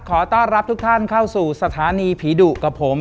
ขอต้อนรับทุกท่านเข้าสู่สถานีผีดุกับผม